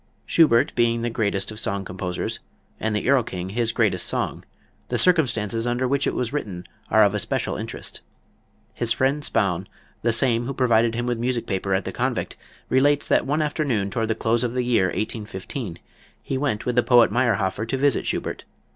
Schubert being the greatest of song composers, and the "Erlking" his greatest song, the circumstances under which it was written are of especial interest. His friend Spaun, the same who provided him with music paper at the Convict, relates that one afternoon toward the close of the year 1815 he went with the poet Mayrhofer to visit Schubert.